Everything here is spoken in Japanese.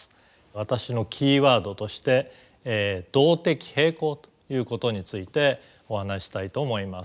私のキーワードとして動的平衡ということについてお話ししたいと思います。